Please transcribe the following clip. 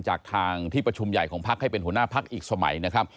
จากทางที่ประชุมใหญ่ของพักให้เป็นหัวหน้าพักอีกสมัยนะครับ